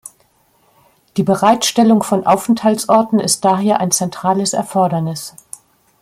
Die Bereitstellung von Aufenthaltsorten ist daher ein zentrales Erfordernis.